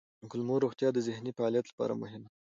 د کولمو روغتیا د ذهني فعالیت لپاره مهمه ده.